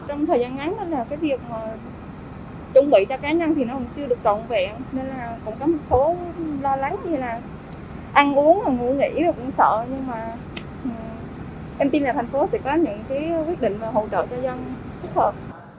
em tin là thành phố sẽ có những quyết định hỗ trợ cho dân thích hợp